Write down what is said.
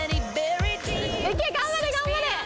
いけ、頑張れ、頑張れ！